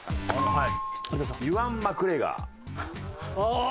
はい。